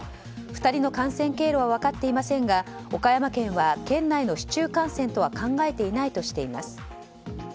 ２人の感染経路は分かっていませんが岡山県は県内の市中感染とは考えていないとしています。